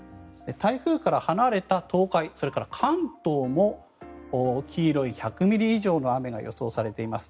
台風から離れた東海、それから関東も黄色い１００ミリ以上の雨が予想されています。